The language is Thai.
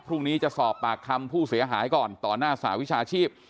พรุ่งนี้จะสอบปากคำผู้เสียหายก่อนต่อหน้าสหวิชาชีพ